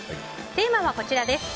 テーマはこちらです。